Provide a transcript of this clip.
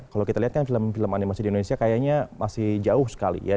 kalau kita lihat kan film film animasi di indonesia kayaknya masih jauh sekali ya